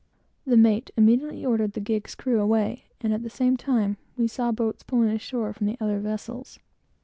The mate immediately ordered the gig's crew away, and at the same time, we saw boats pulling ashore from the other vessels.